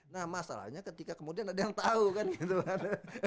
nah masalahnya ketika kemudian ada yang tahu kan